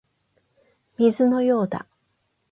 水のようだ